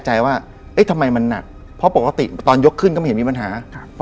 ใจว่าเอ๊ะทำไมมันหนักพอปกติตอนยกที่ไม่มีปัญหาพอ